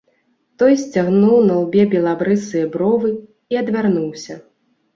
Той сцягнуў на лбе белабрысыя бровы і адвярнуўся.